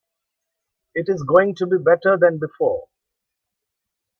It is going to be better than before.